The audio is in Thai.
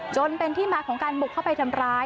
จนเป็นที่มาของการบุกเข้าไปทำร้าย